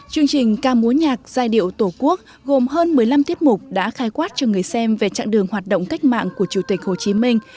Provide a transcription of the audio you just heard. chương trình ca múa nhạc giai điệu tổ quốc gồm hơn một mươi năm tiết mục đã khai quát cho người xem về trạng đường hoạt động cách mạng của chủ tịch hồ chí minh